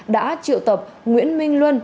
đã triệu tập nguyễn minh luân